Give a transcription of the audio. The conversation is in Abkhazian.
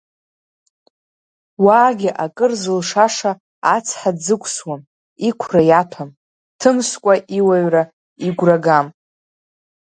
Уаагьы акыр зылшаша ацҳа дзықәсуам, иқәра иаҭәам, дҭымскәа иуаҩра, игәра гам.